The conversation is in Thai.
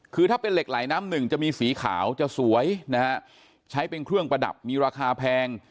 คือถ้าเป็นเหล็กไหลน้ำหนึ่งจะมีสีขาวจะสวยนะฮะใช้เป็นเครื่องประดับมีราคาแพง